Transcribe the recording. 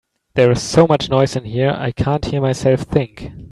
There is so much noise in here, I can't hear myself think.